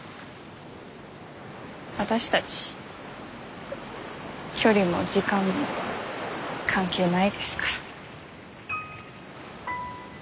私たち距離も時間も関係ないですから。